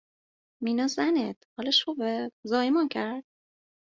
مینا زنت، حالش خوبه؟ زایمان کرد؟